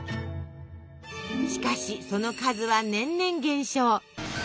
しかしその数は年々減少。